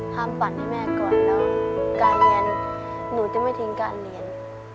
ความฝันให้แม่ก่อนแล้วการเรียนหนูจะไม่ทิ้งการเรียน